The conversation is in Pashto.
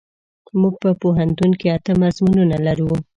مونږ په پوهنتون کې اته مضمونونه لرو.